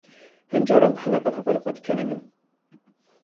Hin caran bi henekan hevalên xwe dikenînim.